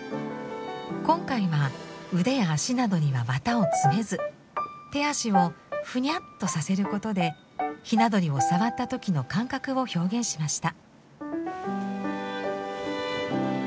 今回は腕や足などには綿を詰めず手足をフニャッとさせることでひな鳥を触った時の感覚を表現しました。